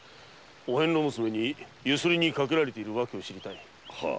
お遍路娘にユスリにかけられている訳を知りたい。